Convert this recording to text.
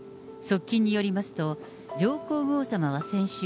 側近によりますと、上皇后さまは先週、